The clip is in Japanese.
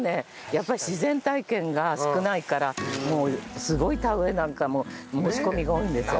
やっぱり自然体験が少ないからもうすごい田植えなんかも申し込みが多いんですよ。